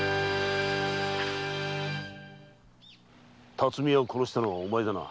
巽屋を殺したのはお前だな？